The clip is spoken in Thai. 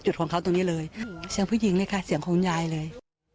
จุดหอมนานนี้เลยเสียงผู้หญิงเลยค่ะเสียงของยายเลย